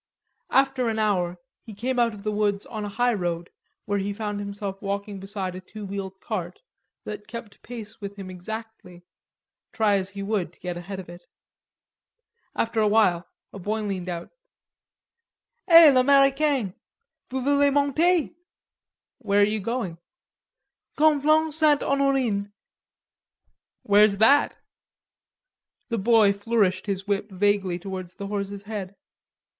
After an hour he came out of the woods on a highroad, where he found himself walking beside a two wheeled cart, that kept pace with him exactly, try as he would to get ahead of it. After a while, a boy leaned out: "Hey, l'Americain, vous voulez monter?" "Where are you going?" "Conflans Ste. Honorine." "Where's that?" The boy flourished his whip vaguely towards the horse's head.